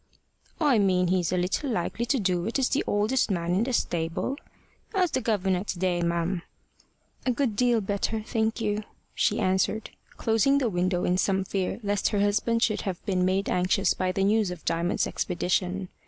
"I mean he's a little likely to do it as the oldest man in the stable. How's the gov'nor to day, ma'am?" "A good deal better, thank you," she answered, closing the window in some fear lest her husband should have been made anxious by the news of Diamond's expedition.